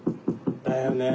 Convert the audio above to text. だよね！